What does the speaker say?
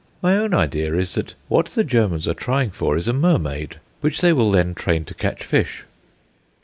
My own idea is that what the Germans are trying for is a mermaid, which they will then train to catch fish.